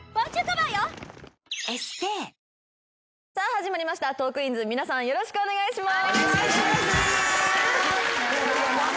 始まりました『トークィーンズ』皆さんよろしくお願いします。